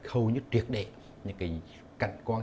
hầu như triệt đẹp những cảnh quan